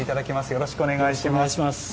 よろしくお願いします。